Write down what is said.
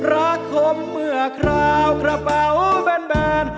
รักคมเมื่อคราวกระเป๋าแบน